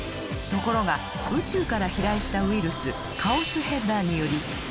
ところが宇宙から飛来したウイルスカオスヘッダーにより怪獣が凶暴化。